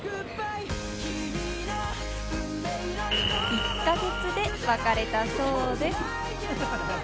１か月で別れたそうです。